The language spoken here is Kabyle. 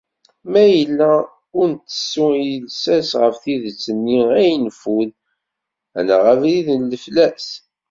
Ma yella ur ntessu i llsas ɣef tidet-nni ay nfud, ad naɣ abrid n leflas.